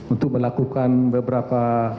untuk melakukan beberapa